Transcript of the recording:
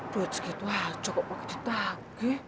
duit segitu aja kok pake di tangki